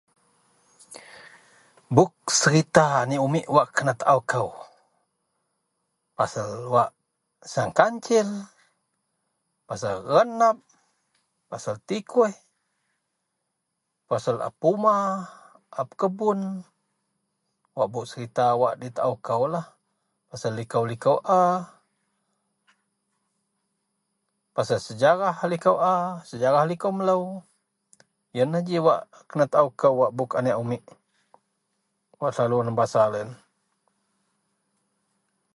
Bup serita aneak umit wak kenataou kou, pasel wak sang kancil, pasel renap, pasel tikuih, pasel a puma, a pekebun. Wak bup serita wak di taou koulah. Pasel likou-likou a, pasel sejarah likou a, sejarah likou melou. Yenlah ji wak kenataou kou bup aneak umiek wak selalu nebasa loyen.